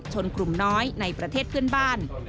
ชนกลุ่มน้อยในประเทศเพื่อนบ้าน